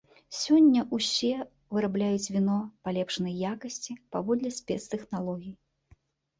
Сёння ўсе вырабляюць віно палепшанай якасці паводле спецтэхналогій.